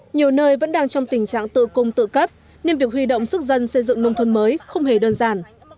nhiều nơi vẫn đang trong tình trạng tự cung tự cấp nên việc huy động sức dân xây dựng nông thôn mới không hề đơn giản